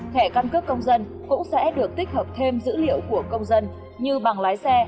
thẻ căn cước công dân cũng sẽ được tích hợp thêm dữ liệu của công dân như bằng lái xe